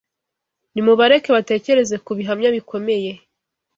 Nimubareke batekereze ku bihamya bikomeye